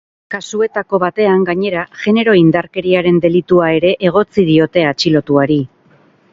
Kasuetako batean, gainera, genero indarkeriaren delitua ere egotzi diote atxilotuari.